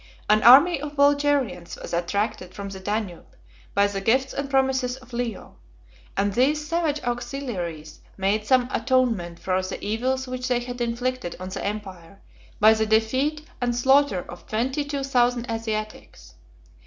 An army of Bulgarians was attracted from the Danube by the gifts and promises of Leo; and these savage auxiliaries made some atonement for the evils which they had inflicted on the empire, by the defeat and slaughter of twenty two thousand Asiatics.